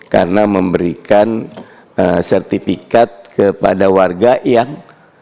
karena memberikan sertifikat kepada warga yang